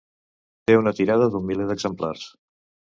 Té una tirada d'un miler d'exemplars.